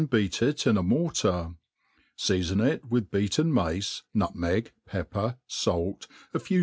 beat it in a mortar ; feafonJt with beateii maoe, nutAcgy pepper, ialt, afcw.